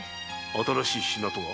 新しい品とは？